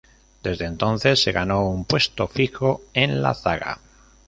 Desde entonces se ganó un puesto fijo en la zaga.